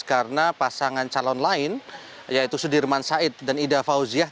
karena pasangan calon lain yaitu sudirman said dan ida fauziah